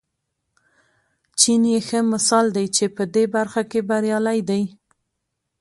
چین یې ښه مثال دی چې په دې برخه کې بریالی دی.